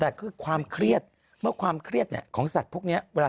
แต่คือความเครียดเมื่อความเครียดเนี่ยของสัตว์พวกนี้เวลา